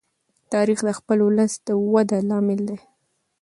تاریخ د خپل ولس د وده لامل دی.